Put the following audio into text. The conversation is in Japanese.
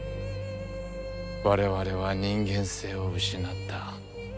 我々は人間性を失った。